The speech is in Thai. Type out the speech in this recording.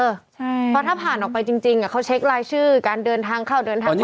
เพราะถ้าผ่านออกไปจริงเขาเช็ครายชื่อการเดินทางเข้าเดินทาง